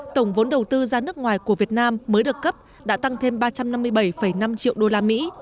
tổng vốn đầu tư ra nước ngoài của việt nam mới được cấp đã tăng thêm ba trăm năm mươi bảy năm triệu usd